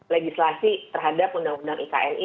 legislasi terhadap undang undang ikn ini